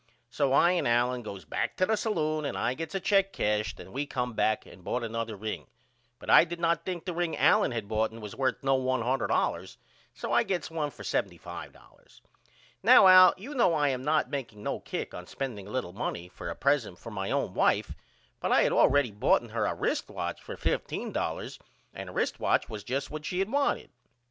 So I and Allen goes back to the salloon and I gets a check cashed and we come back and bought another ring but I did not think the ring Allen had boughten was worth no $100 so I gets one for $75. Now Al you know I am not makeing no kick on spending a little money for a present for my own wife but I had allready boughten her a rist watch for $15 and a rist watch was just what she had wanted.